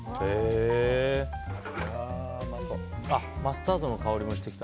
マスタードの香りもしてきた。